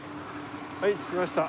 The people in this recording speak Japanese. はい着きました。